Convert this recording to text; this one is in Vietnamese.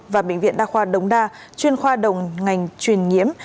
và bệnh viện đa khoa đồng đa chuyên khoa đồng ngành chuyên nhiễm